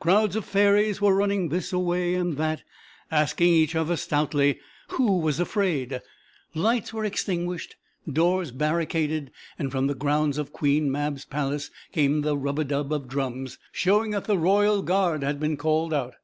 Crowds of fairies were running this away and that, asking each other stoutly, who was afraid, lights were extinguished, doors barricaded, and from the grounds of Queen Mab's palace came the rubadub of drums, showing that the royal guard had been called out.